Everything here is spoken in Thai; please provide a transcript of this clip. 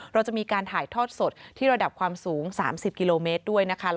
เราจะมีการถ่ายทอดสดที่ระดับความสูง๓๐กิโลเมตรด้วยนะคะ